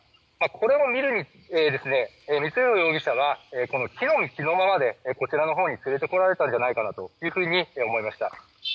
これを見るに、光弘容疑者は着の身着のままでこちらのほうに連れてこられたんじゃないかというふうに思いました。